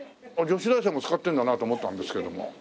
女子大生も使ってんだなと思ったんですけども。